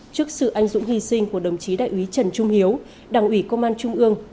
trước sự anh dũng hy sinh của đồng chí đại úy trần trung hiếu đảng ủy công an trung ương